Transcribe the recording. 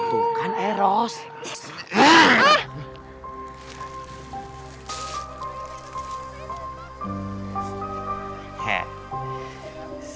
tuh kan eros